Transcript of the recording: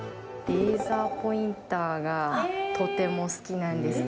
レーザーポインターがとても好きなんです。